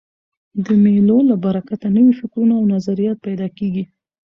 د مېلو له برکته نوي فکرونه او نظریات پیدا کېږي.